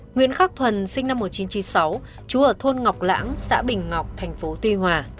nguyễn khắc thuần sinh năm một nghìn chín trăm chín mươi sáu trú ở thôn ngọc lãng xã bình ngọc tp tuy hòa